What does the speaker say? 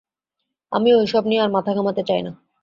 আমি ঐ সব নিয়ে আর মাথা ঘামাতে চাই না।